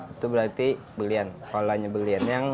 itu berarti berlian